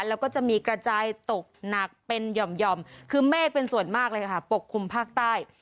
แล้วก็จะมีกระจายตกหนักเป็นหย่อมคือเมฆเป็นส่วนมากเลยค่ะปกคลุมภาคใต้